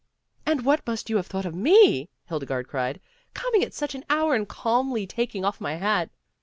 "And what must you have thought of me," Hildegarde cried, "coming at such an hour and calmly taking off my hat."